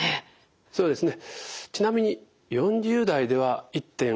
そうですね。